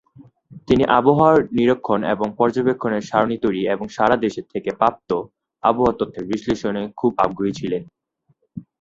তিনি আবহাওয়া নিরীক্ষণ এবং পর্যবেক্ষণের সারণী তৈরি এবং সারা দেশ থেকে প্রাপ্ত আবহাওয়া তথ্যের বিশ্লেষণে খুব আগ্রহী ছিলেন।